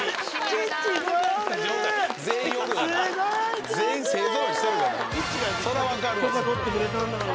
チッチが許可取ってくれたんだから。